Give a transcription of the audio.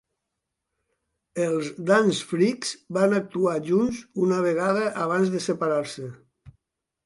Els Dance Freaks van actuar junts una vegada abans de separar-se.